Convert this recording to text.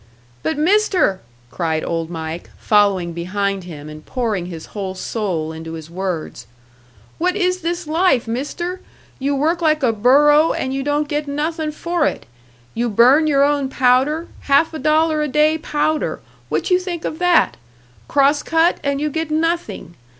"But, Mister!" cried Old Mike, following behind him, and pouring his whole soul into his words. "What is this life, Mister? You work like a burro, and you don't get nothing for it! You burn your own powder half a dollar a day powder what you think of that? Crosscut and you get nothing!